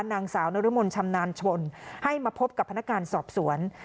นางสาวนรมนชำนาญชนให้มาพบกับพนักงานสอบสวน